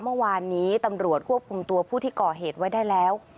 เมื่อวานนี้ตำรวจควบคุมตัวผู้ที่ก่อเหตุไว้ได้แล้ว